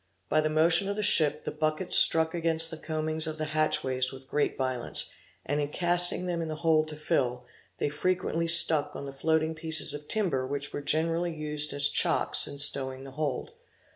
By the motion of the ship the buckets struck against the combings of the hatchways with great violence, and in casting them in the hold to fill, they frequently struck on the floating pieces of timber which were generally used as chocks in stowing the hold.